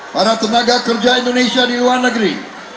para tenaga kerja indonesia di luar negeri